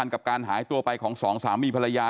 กับการหายตัวไปของสองสามีภรรยา